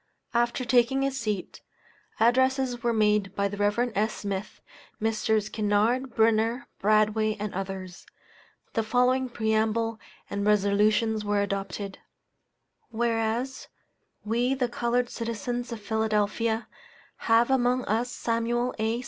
After taking his seat, addresses were made by the Rev. S. Smith, Messrs. Kinnard, Brunner, Bradway, and others. The following preamble and resolutions were adopted WHEREAS, We, the colored citizens of Philadelphia, have among us Samuel A.